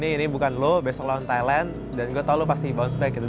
ini bukan lu besok lawan thailand dan gue tau lu pasti bounce back gitu